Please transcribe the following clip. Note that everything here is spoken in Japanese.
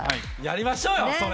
やりましょうよ。